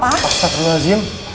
paksa terlalu azim